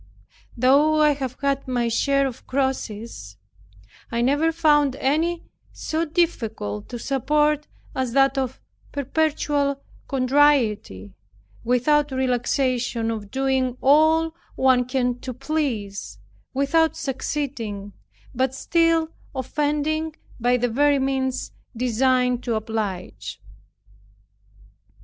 Though I have had my share of crosses, I never found any so difficult to support as that of perpetual contrariety without relaxation of doing all one can to please, without succeeding, but still offending by the very means designed to oblige.